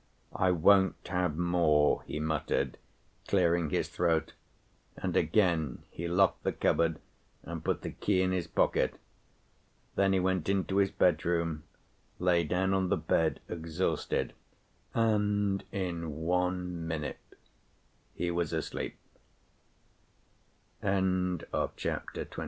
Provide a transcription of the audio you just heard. "I won't have more!" he muttered, clearing his throat, and again he locked the cupboard and put the key in his pocket. Then he went into his bedroom, lay down on the bed, exhausted, and in one minute he was asleep. Chapter III.